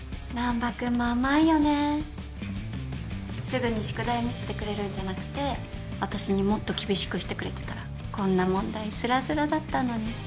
すぐに宿題を見せてくれるんじゃなくて私にもっと厳しくしてくれてたらこんな問題すらすらだったのに。